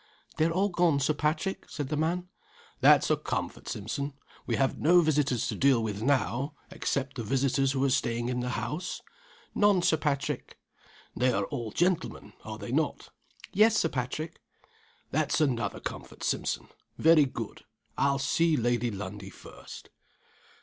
"They're all gone, Sir Patrick," said the man. "That's a comfort, Simpson. We have no visitors to deal with now, except the visitors who are staying in the house?" "None, Sir Patrick." "They're all gentlemen, are they not?" "Yes, Sir Patrick." "That's another comfort, Simpson. Very good. I'll see Lady Lundie first."